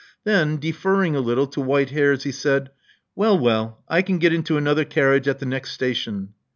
Then, deferring a little to white hairs, he said, "Well, well: I can get into another carriage at the next station."